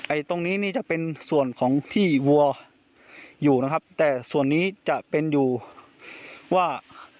ตรงนี้นี่จะเป็นส่วนของที่วัวอยู่นะครับแต่ส่วนนี้จะเป็นอยู่ว่า